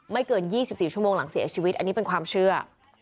เกิน๒๔ชั่วโมงหลังเสียชีวิตอันนี้เป็นความเชื่อ